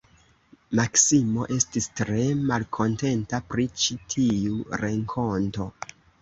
Maksimo estis tre malkontenta pri ĉi tiu renkonto.